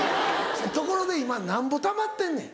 ところで今なんぼたまってんねん？